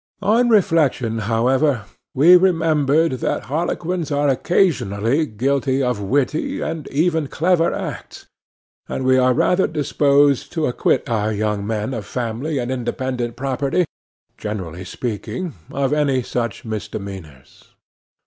On reflection, however, we remembered that harlequins are occasionally guilty of witty, and even clever acts, and we are rather disposed to acquit our young men of family and independent property, generally speaking, of any such misdemeanours.